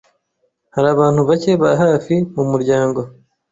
Hari abantu bake ba hafi mu muryango,